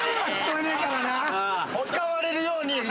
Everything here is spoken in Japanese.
使われるように。